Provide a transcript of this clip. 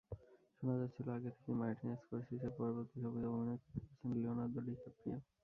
শোনা যাচ্ছিল আগে থেকেই, মার্টিন স্করসিসের পরবর্তী ছবিতে অভিনয় করতে যাচ্ছেন লিওনার্দো ডিক্যাপ্রিও।